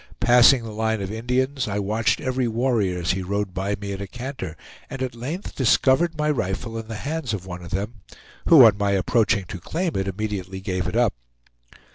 Passing the line of Indians, I watched every warrior as he rode by me at a canter, and at length discovered my rifle in the hands of one of them, who, on my approaching to claim it, immediately gave it up.